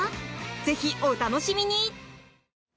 ぜひお楽しみに！